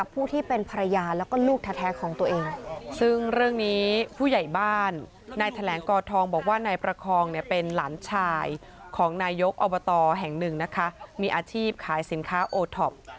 มีอาชีพขายสินค้าโอท็อป